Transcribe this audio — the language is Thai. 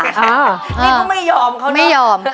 นี่ก็ไม่ยอมเขาเนอะ